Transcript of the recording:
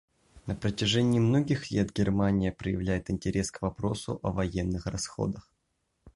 На протяжении многих лет Германия проявляет интерес к вопросу о военных расходах.